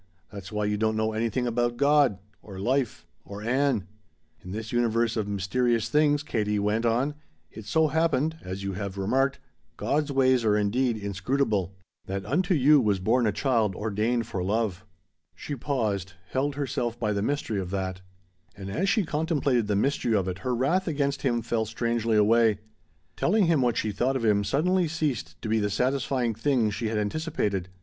That's why you don't know anything about God or life or Ann. "In this universe of mysterious things," Katie went on, "it so happened as you have remarked, God's ways are indeed inscrutable that unto you was born a child ordained for love." She paused, held herself by the mystery of that. And as she contemplated the mystery of it her wrath against him fell strangely away. Telling him what she thought of him suddenly ceased to be the satisfying thing she had anticipated.